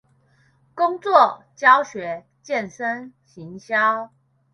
工作、教學、健身、行銷